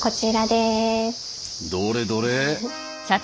どれどれ？